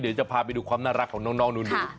เดี๋ยวจะพาไปดูความน่ารักของน้องหนู